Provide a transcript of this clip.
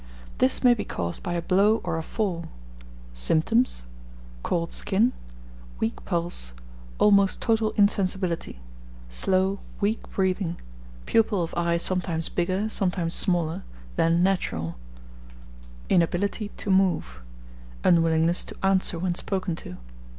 This may be caused by a blow or a fall. Symptoms. Cold skin; weak pulse; almost total insensibility; slow, weak breathing; pupil of eye sometimes bigger, sometimes smaller, than natural; inability to move; unwillingness to answer when spoken to.